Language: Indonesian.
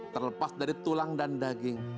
terlepas dari tulang dan daging